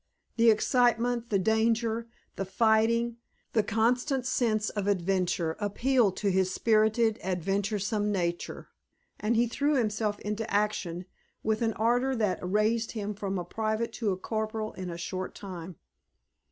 The excitement, the danger, the fighting, the constant sense of adventure appealed to his spirited, adventuresome nature, and he threw himself into action with an ardor that raised him from a private to a corporal in a short time.